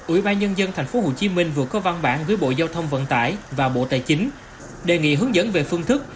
ủy ban nhân dân tp hcm vừa có văn bản với bộ giao thông vận tải và bộ tài chính đề nghị hướng dẫn về phương thức